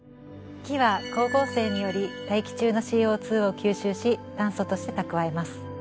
木は光合成により大気中のＣＯを吸収し炭素として蓄えます。